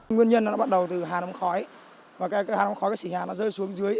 nguyên nhân nó bắt đầu từ hà nấm khói và cái hà nấm khói cái sỉ hà nó rơi xuống dưới